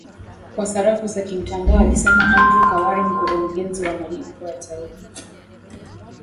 kwa sarafu za kimtandao alisema Andrew Kaware mkurugenzi wa malipo ya taifa